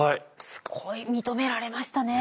すごい認められましたね